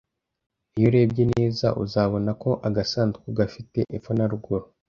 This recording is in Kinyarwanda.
Iyo urebye neza, uzabona ko agasanduku gafite epfo na ruguru.